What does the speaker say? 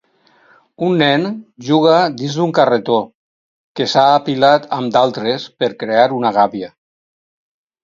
Un nen juga dins d'un carretó que s'ha apilat amb d'altres per crear una gàbia